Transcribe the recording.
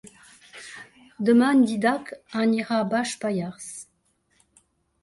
Demà en Dídac anirà a Baix Pallars.